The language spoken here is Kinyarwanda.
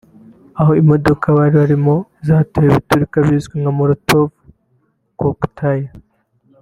aho imodoka barimo zateweho ibiturika bizwi nka Molotov Cocktail